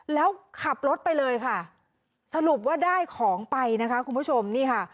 แล้วขับรถไปเลยค่ะสรุปว่าได้ของไปนะคะคุณผู้ชมนี่ค่ะ